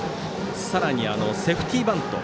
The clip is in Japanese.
さらにセーフティーバント。